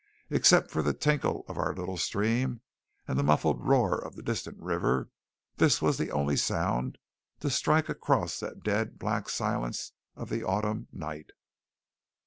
Except for the tinkle of our little stream and the muffled roar of the distant river, this was the only sound to strike across the dead black silence of the autumn night.